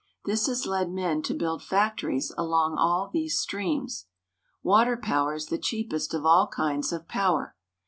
This has led men to build factories along all these streams. Water power is the cheapest of all kinds of power.